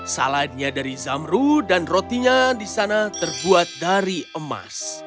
saladnya dari zamru dan rotinya di sana terbuat dari emas